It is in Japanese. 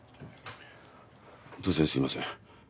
突然すいません